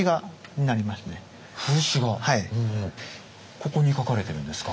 ここに描かれてるんですか？